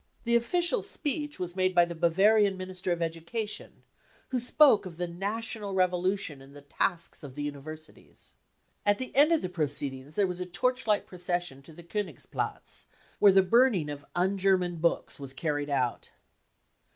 The official speech was made by the Bavarian Minister of Education, who spokeof the national revolution and the tasks of the universities. At the end of the proceedings there was a torchlight THE CAMPAIGN AGAINST CULTURE 1 73 procession to th£ Konigsplatz, where the burning of un German books was carried out.